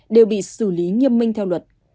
đều bị xử lý nghiêm minh theo luật